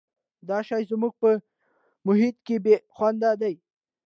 دا شی زموږ په محیط کې بې خونده دی.